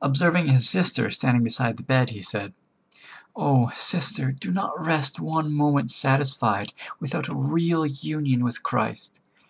Observing his sister standing beside the bed, he said: "Oh, sister, do not rest one moment satisfied without a real union with Christ.